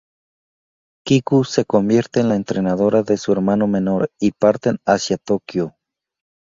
Kiku se convierte en la entrenadora de su hermano menor y parten hacia Tokyo.